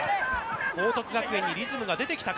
報徳学園にリズムが出てきたか。